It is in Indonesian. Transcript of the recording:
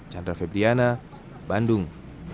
chandra febriyana bandung